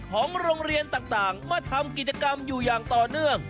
ของโรงเรียนต่างมาทำกิจกรรมอยู่อย่างต่อเนื่อง